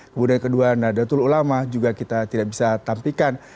kemudian kedua nadatul ulama juga kita tidak bisa tampilkan